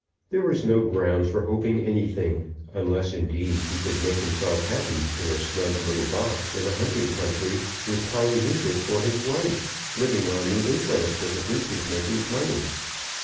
There was no ground for hoping anything, unless indeed he could make himself happy in a snug little box in a hunting country, with Polly Neefit for his wife, living on the interest of the breeches maker's money.